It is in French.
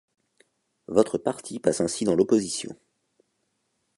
Votre Parti passe ainsi dans l'opposition.